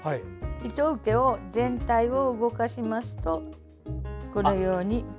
糸受け全体を動かしますとこのように。